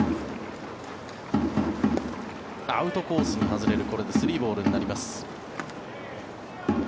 アウトコースに外れるこれで３ボールになります。